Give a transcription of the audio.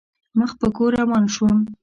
مخ په کور روان شوم.